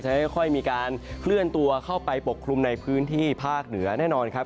ค่อยมีการเคลื่อนตัวเข้าไปปกคลุมในพื้นที่ภาคเหนือแน่นอนครับ